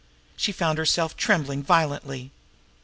She found herself trembling violently.